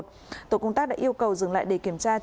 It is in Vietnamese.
tổ công tác đã yêu cầu dừng lại để kiểm tra